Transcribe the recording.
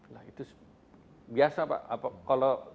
nah itu biasa pak